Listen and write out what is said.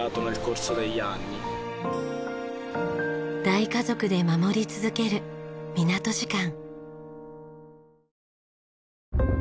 大家族で守り続ける港時間。